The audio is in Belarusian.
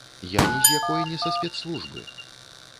Я ні з якой не са спецслужбы.